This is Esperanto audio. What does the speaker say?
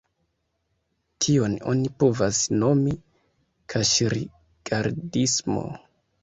Tion oni povas nomi "kaŝ-rigardismo".